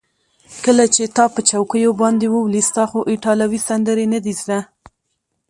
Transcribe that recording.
کله چې تا په چوکیو باندې وولي، ستا خو ایټالوي سندرې نه دي زده.